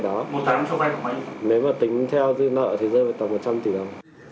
nếu mà tính theo dư nợ thì rơi vào tầm một trăm linh tỷ đồng